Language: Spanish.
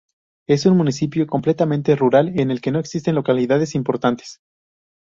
Es un municipio completamente rural en el que no existen localidades importantes.